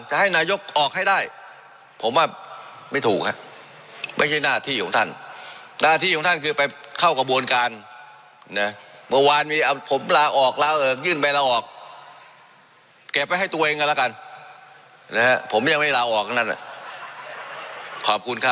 จะให้นายกออกไว้ได้เพราะวันนี้เขามีการเตรียม